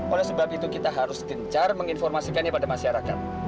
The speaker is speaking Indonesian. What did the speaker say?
oleh sebab itu kita harus gencar menginformasikannya pada masyarakat